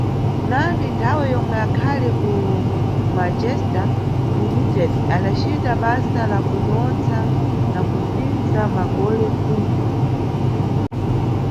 Nani nthawe yomwe akhali ku Manchester United adacita basa labwinotsa na kupindza magolo khumi.